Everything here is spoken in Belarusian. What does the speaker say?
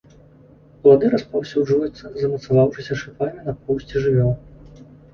Плады распаўсюджваюцца, замацаваўшыся шыпамі на поўсці жывёл.